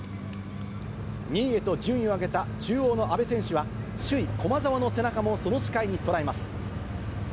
２位へと順位を上げた中央の阿部選手は、首位、駒澤の背中もその視界に捉えます。